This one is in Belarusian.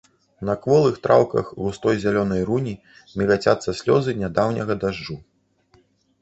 На кволых траўках густой зялёнай руні мігацяцца слёзы нядаўняга дажджу.